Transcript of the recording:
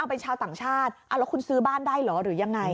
เอาเป็นชาวต่างชาติแล้วคุณซื้อบ้านได้หรอ